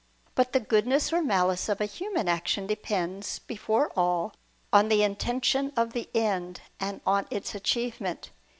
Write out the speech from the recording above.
But the goodness or malice of a human action depends, before all, on the intention of the end, and on its achievement.